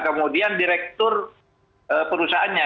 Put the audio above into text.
kemudian direktur perusahaannya